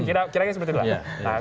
kira kira seperti itulah